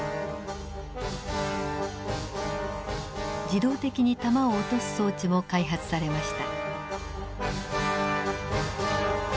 自動的に弾を落とす装置も開発されました。